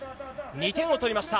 ２点を取りました。